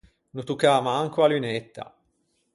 No toccâ manco a lunetta.